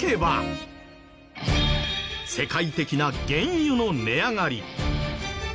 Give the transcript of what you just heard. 世界的な原油の値上がり。